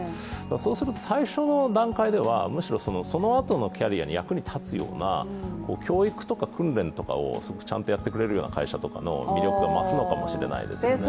そうすると最初の段階では、むしろそのあとのキャリアに役に立つような教育や訓練とかをちゃんとやってくれるような会社の魅力が増すのかもしれないですね。